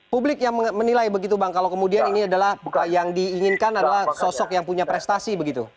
publik yang menilai begitu bang kalau kemudian ini adalah yang diinginkan adalah sosok yang punya prestasi begitu